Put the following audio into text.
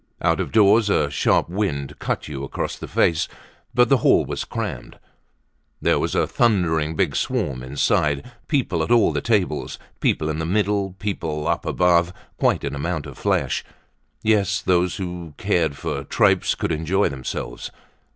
Out of doors a sharp wind cut you across the face. But the hall was crammed. There was a thundering big swarm inside; people at all the tables, people in the middle, people up above, quite an amount of flesh. Yes, those who cared for tripes could enjoy themselves.